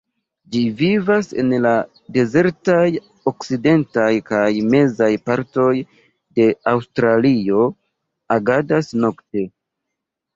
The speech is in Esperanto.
Ĝi vivas en la dezertaj okcidentaj kaj mezaj partoj de Aŭstralio, agadas nokte.